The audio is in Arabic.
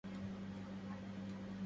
عيد به زهرة الآداب قد نفحت